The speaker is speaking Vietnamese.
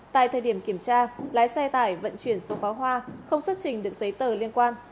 tại thời điểm kiểm tra lái xe tải vận chuyển số pháo hoa không xuất trình được giấy tờ liên quan